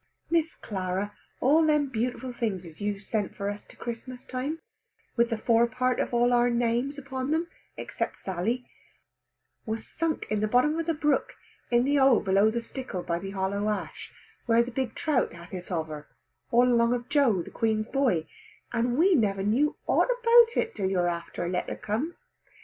Miss Clara, all them beautiful things as you sent for us to Christmas time, with the forepart of all our names upon them, except Sally, was sunk in the bottom of the brook in the hole below the stickle by the hollow ash, where the big trout hath his hover, all along of Joe the Queen's boy; and we never knew ought about it till your after letter come.